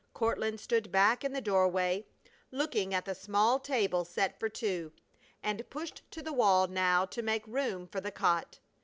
Courtland stood back in the doorway, looking at the small table set for two, and pushed to the wall now to make room for the cot.